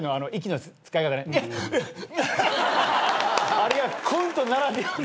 あれがコントならではの。